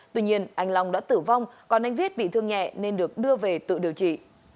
tuy nhiên anh long đã tử vong còn anh viết bị thương nhẹ nên được đưa về tự điều trị